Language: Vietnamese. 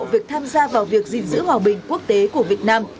việc tham gia vào việc gìn giữ hòa bình quốc tế của việt nam